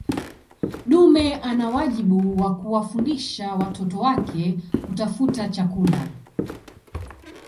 dume ana wajibu wa kuwafundisha watoto wake kutafuta chakula